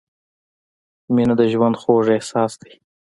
• مینه د ژوند خوږ احساس دی.